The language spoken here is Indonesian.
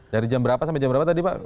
dari jam berapa sampai jam berapa tadi pak